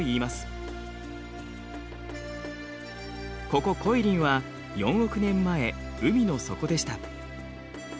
ここコイリンは４億年前海の底でした。